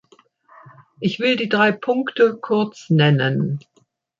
Ich will die drei Punkte kurz nennen.